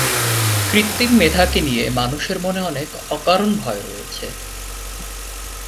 কৃত্রিম মেধাকে নিয়ে মানুষের মনে অনেক অকারণ ভয় রয়েছে।